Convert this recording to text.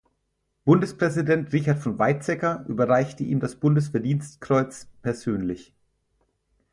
Bundespräsident Richard von Weizsäcker überreichte ihm das Bundesverdienstkreuz persönlich.